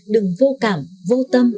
đừng vô cảm vô tâm